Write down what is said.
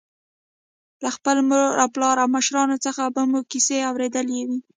له خپل مور او پلار او مشرانو څخه به مو کیسې اورېدلې وي.